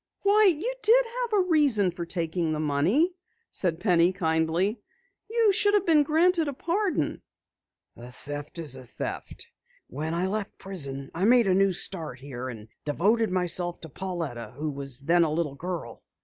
"Why, you did have a reason for taking the money," said Penny kindly. "You should have been granted a pardon." "A theft is a theft. When I left prison, I made a new start here, and devoted myself to Pauletta who was then a little girl."